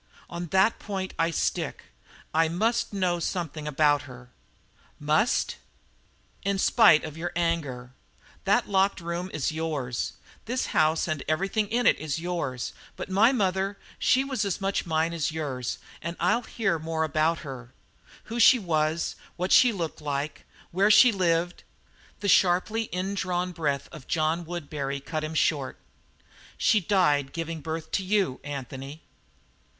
"On that point I stick. I must know something about her." "Must?" "In spite of your anger. That locked room is yours; this house and everything in it is yours; but my mother she was as much mine as yours, and I'll hear more about her who she was, what she looked like, where she lived " The sharply indrawn breath of John Woodbury cut him short. "She died in giving birth to you, Anthony."